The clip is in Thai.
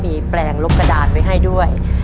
มีแปลงลบกระดานไว้ให้ด้วย